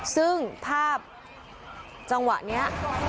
ซึ่งภาพจังหวะนี้